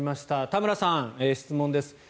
田村さん、質問です。